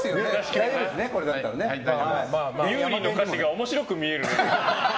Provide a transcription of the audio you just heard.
優里の歌詞が面白く見えるね。